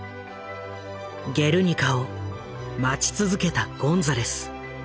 「ゲルニカ」を待ち続けたゴンザレス。